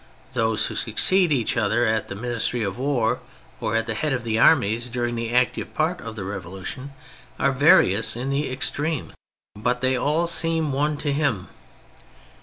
Those who succeed each other at the Ministry of War, or at the head of the armies during the active part of the revolu tion are various in the extreme : but they all seem one to him.